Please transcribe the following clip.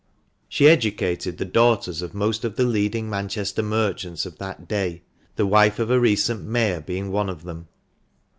She educated the daughters of most of the leading Manchester merchants of that day, the wife of a recent Mayor being one of them.